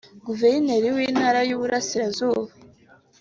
Guveneri w’Intara y’Uburasirazuba